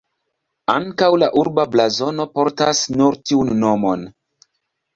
Ankaŭ la urba blazono portas nur tiun nomon.